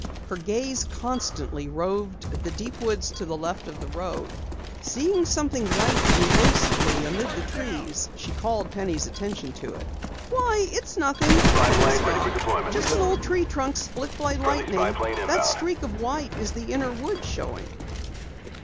Her gaze constantly roved along the deep woods to the left of the road. Seeing something white and ghostly amid the trees, she called Penny's attention to it. "Why, it's nothing," Penny scoffed. "Just an old tree trunk split by lightning. That streak of white is the inner wood showing."